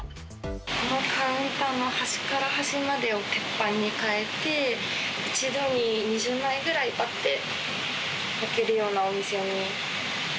このカウンターの端から端までを鉄板に替えて、一度に２０枚ぐらい焼けるようなお店に。